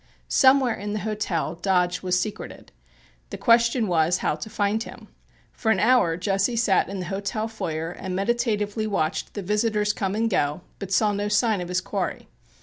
Somewhere in the hotel Dodge was secreted. The question was how to find him. For an hour Jesse sat in the hotel foyer and meditatively watched the visitors come and go, but saw no sign of his quarry.